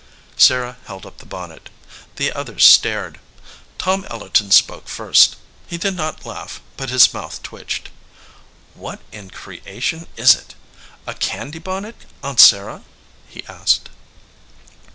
Sarah held up the bonnet. The others stared. Tom Ellerton spoke first. He did not laugh, but his mouth twitched. "What in creation is it? A candy bonnet, Aunt Sarah ?" he asked.